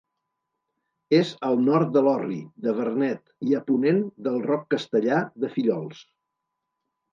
És al nord de l'Orri, de Vernet, i a ponent del Roc Castellar, de Fillols.